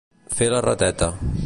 Fer la rateta.